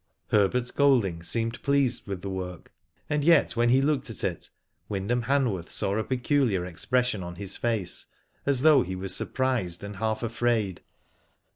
Herbert Golding seemed pleased with the work, and yet when he looked at it, Wyndhanl Han worth saw a peculiar expression on his face, as though he was surprised, and half afraid.